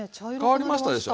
変わりましたでしょ。